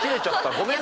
ごめんね。